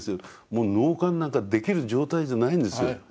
もう納棺なんかできる状態じゃないんですよ。